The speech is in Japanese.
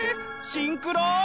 シンクロ！